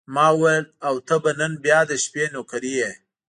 ما وویل: او ته به نن بیا د شپې نوکري یې.